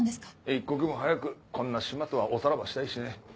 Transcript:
一刻も早くこんな島とはおさらばしたいしね。